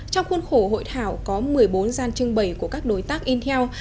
trong khuôn khổ hội thảo có một mươi bốn gian trưng bày của các đối tác intel